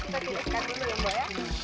kita tumiskan dulu ya mbok